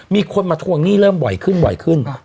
มีคนมาทวงหนี้เริ่มบ่อยขึ้นบ่อยขึ้น